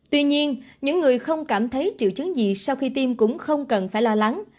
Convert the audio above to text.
tuy nhiên những người không cảm thấy triệu chứng gì sau khi tiêm cũng không cần phải lo lắng